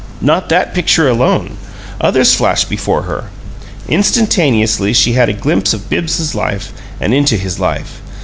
Not that picture alone; others flashed before her. Instantaneously she had a glimpse of Bibbs's life and into his life.